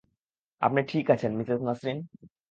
আপনি ঠিক আছেন, মিসেস নাসরিন?